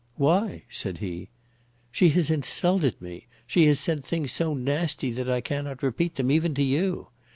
"Why?" said he. "She has insulted me. She has said things so nasty that I cannot repeat them, even to you.